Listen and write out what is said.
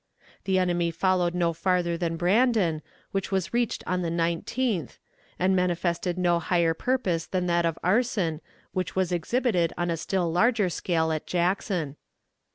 The enemy followed no farther than Brandon, which was reached on the 19th, and manifested no higher purpose than that of arson, which was exhibited on a still larger scale at Jackson.